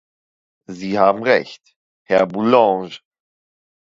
Sie haben recht, Herr Bourlanges.